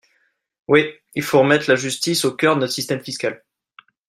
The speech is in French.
Oui, il faut remettre la justice au cœur de notre système fiscal.